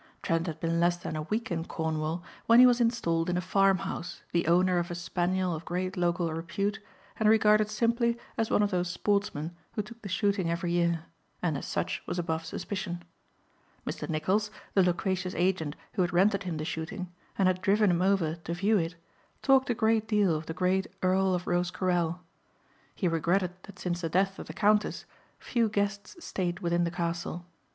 Trent had been less than a week in Cornwall when he was installed in a farmhouse, the owner of a spaniel of great local repute, and regarded simply as one of those sportsmen who took the shooting every year and as such was above suspicion. Mr. Nicholls, the loquacious agent who had rented him the shooting and had driven him over to view it, talked a great deal of the great Earl of Rosecarrel. He regretted that since the death of the Countess few guests stayed within the castle.